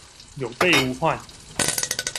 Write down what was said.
有備無患